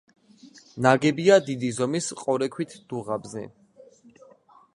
ნაგებია დიდი ზომის ყორექვით დუღაბზე.